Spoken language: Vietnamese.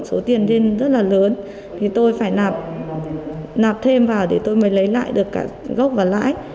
số tiền trên rất là lớn thì tôi phải nạp nạp thêm vào để tôi mới lấy lại được cả gốc và lãi